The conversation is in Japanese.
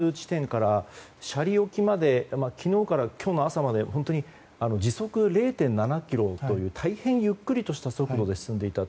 今回の沈没地点から斜里沖まで昨日から今日の朝まで時速０．７キロという大変ゆっくりとした速度で進んでいた。